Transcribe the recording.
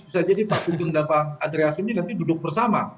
bisa jadi pak sugeng dan pak andreas ini nanti duduk bersama